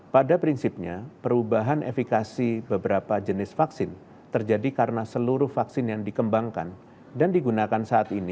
pada prinsipnya perubahan efikasi beberapa jenis vaksin terjadi karena seluruh vaksin yang dikembangkan dan digunakan saat ini